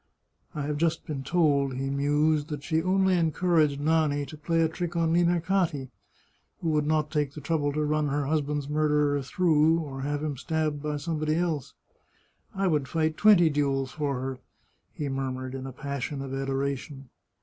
" I have just been told," he mused, " that she only encouraged Nani to play a trick on Limercati, who would not take the trouble to run her husband's murderer through, or have him stabbed by somebody else. I would fight twenty duels for her !" he murmured in a passion of adoration.